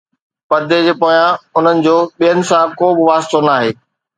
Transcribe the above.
پردي جي پويان، انهن جو ٻين سان ڪو به واسطو ناهي